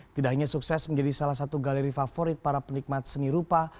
tidak hanya sukses menjadi salah satu galeri favorit para penikmat seni rupa